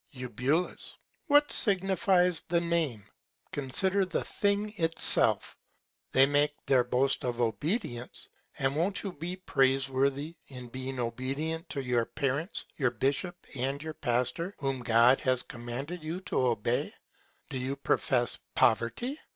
Eu. What signifies the Name? Consider the Thing itself. They make their boast of Obedience, and won't you be praise worthy, in being obedient to your Parents, your Bishop and your Pastor, whom God has commanded you to obey? Do you profess Poverty?